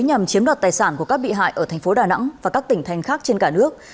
nhằm chiếm đoạt tài sản của các bị hại ở thành phố đà nẵng và các tỉnh thành khác trên cả nước